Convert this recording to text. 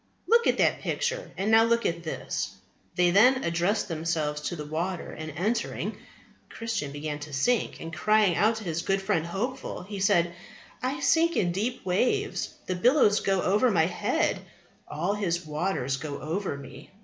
Look at that picture and now look at this: "They then addressed themselves to the water, and, entering, Christian began to sink, and crying out to his good friend Hopeful, he said, I sink in deep waves, the billows go over my head, all His waters go over me.